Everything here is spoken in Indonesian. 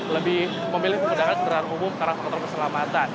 lebih memilih pengendaraan jalan tol umum karena kontor perselamatan